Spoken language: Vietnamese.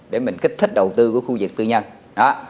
để mình kích thích đầu tư của khu vực tư nhân